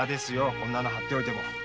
こんなもの貼っておいても！